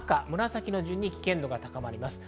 黄色・赤・紫の順に危険度が高まります。